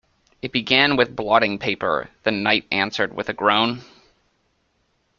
‘It began with blotting paper,’ the Knight answered with a groan.